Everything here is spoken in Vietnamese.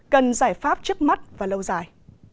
cần giải pháp trước mắt và lâu dài